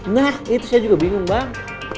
nah itu saya juga bingung bang